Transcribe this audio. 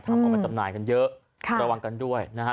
เอามาจำหน่ายกันเยอะระวังกันด้วยนะฮะ